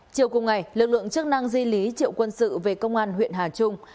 chiều cùng ngày lực lượng chức năng di lý triệu quân sự về công an huyện hà trung